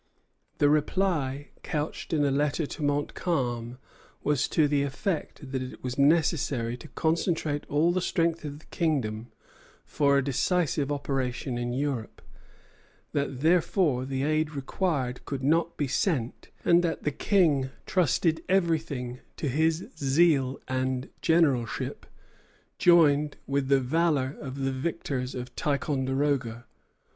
The reply, couched in a letter to Montcalm, was to the effect that it was necessary to concentrate all the strength of the kingdom for a decisive operation in Europe; that, therefore, the aid required could not be sent; and that the King trusted everything to his zeal and generalship, joined with the valor of the victors of Ticonderoga.